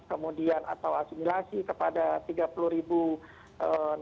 kemudian atau diberikan kemampuan untuk memperbaiki kemampuan